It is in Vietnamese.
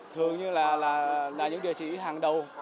thường như là những địa chỉ hàng đầu